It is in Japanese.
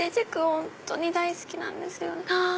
本当に大好きなんですよね。